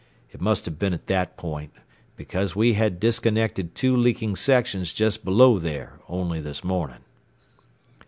It must have been at that point, because we had disconnected two leaking sections just below there only this morning."